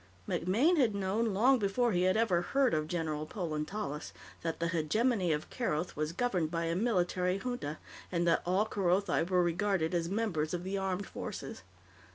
MacMaine had known, long before he had ever heard of General Polan Tallis, that the Hegemony of Keroth was governed by a military junta, and that all Kerothi were regarded as members of the armed forces.